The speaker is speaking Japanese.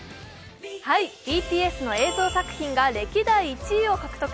ＢＴＳの映像作品が歴代１位を獲得。